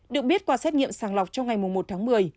được biết qua xét nghiệm sàng lọc trong ngày một tháng một mươi